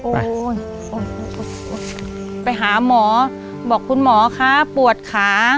โอ้โหไปหาหมอบอกคุณหมอคะปวดขา